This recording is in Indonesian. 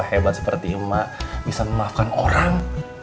hebat seperti emak bisa memakan orang